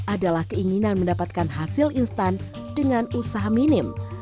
adalah keinginan mendapatkan hasil instan dengan usaha minim